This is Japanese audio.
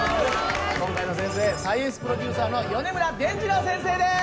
今回の先生サイエンスプロデューサーの米村でんじろう先生です。